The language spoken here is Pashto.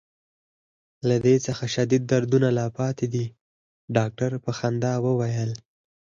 له دې څخه شدید دردونه لا پاتې دي. ډاکټر په خندا وویل.